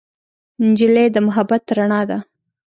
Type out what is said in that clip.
نجلۍ د محبت رڼا ده.